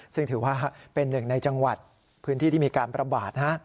ซึ่งถือว่าเป็นหนึ่งในจังหวัดพื้นที่ที่มีการประบาด